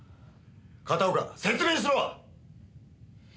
片岡説明しろ！